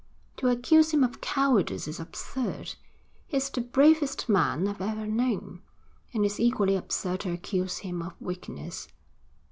To accuse him of cowardice is absurd he's the bravest man I've ever known and it's equally absurd to accuse him of weakness.